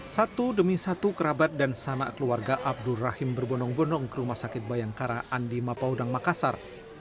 satu demi satu kerabat dan sanak keluarga abdur rahim berbonong bonong ke rumah sakit bayangkara andi mapaudang makassar